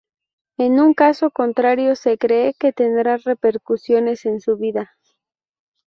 En un caso contrario se cree que tendrá repercusiones en su vida.